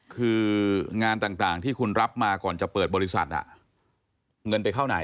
คืองานต่างที่คุณรับมาก่อนจะเปิดบริษัทเงินไปเข้าไหน